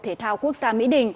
thể thao quốc gia mỹ đình